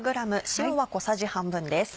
塩は小さじ半分です。